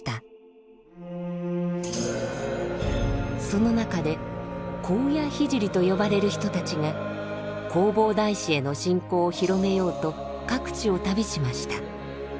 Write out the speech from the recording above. その中で「高野聖」と呼ばれる人たちが弘法大師への信仰を広めようと各地を旅しました。